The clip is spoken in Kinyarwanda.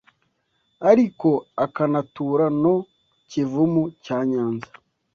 ariko akanatura no Kivumu cya Nyanza.